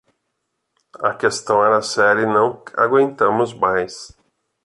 A questão era séria e não aguentamos mais.